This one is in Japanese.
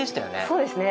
そうですね。